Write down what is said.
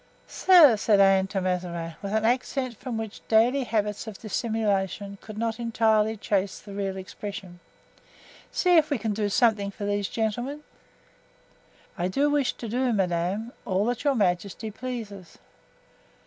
"Sir," said Anne to Mazarin, with an accent from which daily habits of dissimulation could not entirely chase the real expression, "see if we can do something for these gentlemen." "I wish to do, madame, all that your majesty pleases."